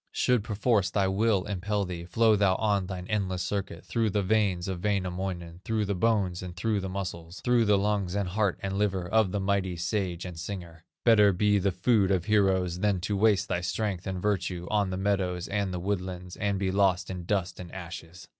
"Should perforce thy will impel thee, Flow thou on thine endless circuit, Through the veins of Wainamoinen, Through the bones, and through the muscles, Through the lungs, and heart, and liver, Of the mighty sage and singer; Better be the food of heroes, Than to waste thy strength and virtue, On the meadows and the woodlands, And be lost in dust and ashes.